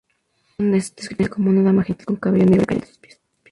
Susan es descrita como una dama gentil con cabello negro cayendo a sus pies.